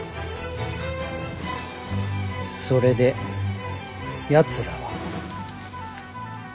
それでやつらは？